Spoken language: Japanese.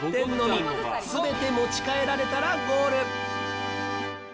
全て持ち帰られたらゴール。